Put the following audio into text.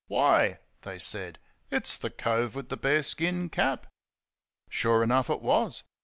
"Why," they said, "it's the cove with the bear skin cap!" Sure enough it was.